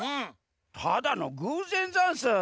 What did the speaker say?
ただのぐうぜんざんす。